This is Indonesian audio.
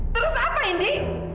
terus apa indi